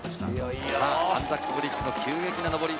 さあアンザックブリッジの急激な上り。